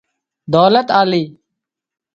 ڌولت آلي